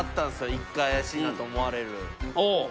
１回怪しいなと思われる。